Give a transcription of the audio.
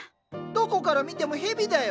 どこから見ても蛇だよ。